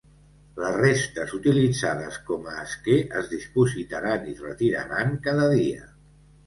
Les restes utilitzades com a esquer es dipositaran i retiraran cada dia.